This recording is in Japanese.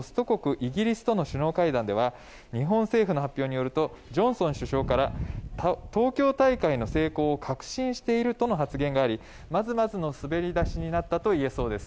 イギリスとの首脳会談では日本政府の発表によるとジョンソン首相から東京大会の成功を確信しているとの発言がありまずまずの滑り出しになったといえそうです。